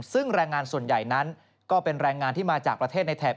ซึ่งแรงงานส่วนใหญ่นั้นก็เป็นแรงงานที่มาจากประเทศในแถบ